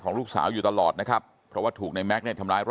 ตรของหอพักที่อยู่ในเหตุการณ์เมื่อวานนี้ตอนค่ำบอกให้ช่วยเรียกตำรวจให้หน่อย